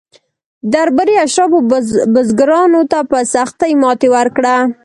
درباري اشرافو بزګرانو ته په سختۍ ماته ورکړه.